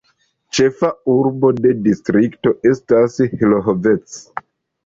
Ĉefa urbo de distrikto estas Hlohovec.